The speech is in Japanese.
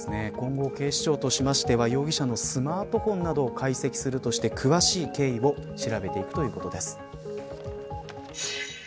今後、警視庁としては容疑者のスマートフォンなどを解析するとして詳しい経緯を調べていくということです。